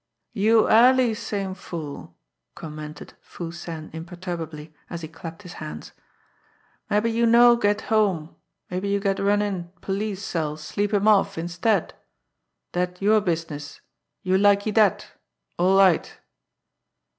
"You allee same fool," commented Foo Sen imperturbably, as he clapped his hands. "Mabbe you no get home; mabbe you get run in police cell sleep him off, instead. That your business, you likee that all right!"